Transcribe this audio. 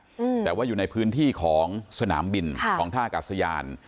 อืมแต่ว่าอยู่ในพื้นที่ของสนามบินค่ะของท่ากาศยาน